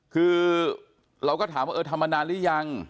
คือเราก็ถามว่าเออทำมานานหรือยัง